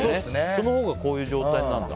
そのほうがこういう状態になるんだ。